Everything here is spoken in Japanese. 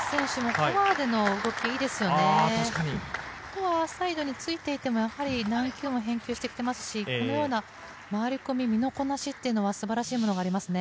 フォアサイドについていてもやはり何球か返球してますし、このような回り込み、身のこなしは素晴らしいものがありますね。